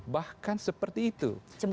bahkan seperti itu